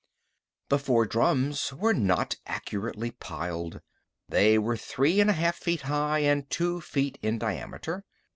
The four drums were not accurately piled. They were three and a half feet high and two feet in diameter.